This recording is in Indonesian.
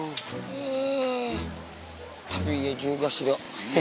tapi iya juga sih do